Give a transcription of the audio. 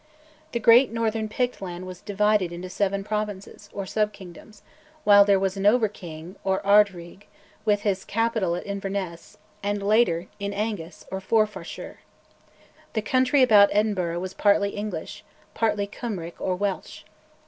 The great Northern Pictland was divided into seven provinces, or sub kingdoms, while there was an over King, or Ardrigh, with his capital at Inverness and, later, in Angus or Forfarshire. The country about Edinburgh was partly English, partly Cymric or Welsh.